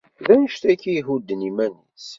D annect-agi i yehudden iman-is.